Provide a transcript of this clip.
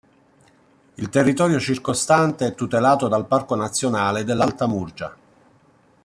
Il territorio circostante è tutelato dal Parco nazionale dell'Alta Murgia.